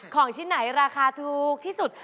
ของชิ้นไหนราคาถูกที่สุด